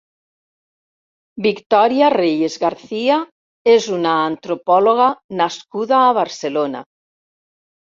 Victoria Reyes García és una antropòloga nascuda a Barcelona.